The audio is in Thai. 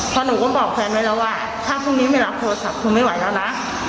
เพราะหนูก็บอกแฟนไว้แล้วว่าถ้าพรุ่งนี้ไม่รับโทรศัพท์ครูไม่ไหวแล้วนะ